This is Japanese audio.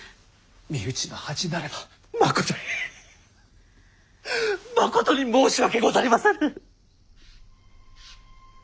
身内の恥なればまことにまことに申し訳ござりませぬ！